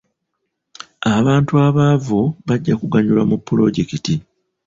Abantu abaavu bajja kuganyulwa mu pulojekiti.